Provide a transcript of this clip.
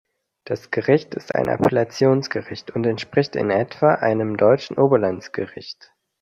Das Gericht ist ein Appellationsgericht und entspricht in etwa einem deutschen Oberlandesgericht.